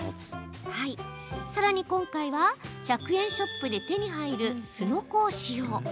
さらに今回は１００円ショップで手に入る、すのこを使用。